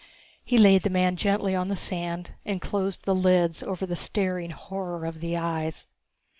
He laid the man gently on the sand and closed the lids over the staring horror of the eyes.